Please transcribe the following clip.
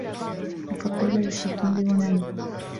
وَقَدْ قِيلَ لِلْحَكِيمِ الْيُونَانِيِّ